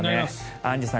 アンジュさん